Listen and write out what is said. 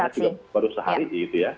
karena juga baru sehari gitu ya